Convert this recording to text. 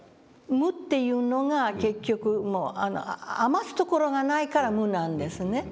無っていうのが結局もう余すところがないから無なんですね。